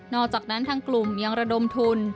อกจากนั้นทางกลุ่มยังระดมทุน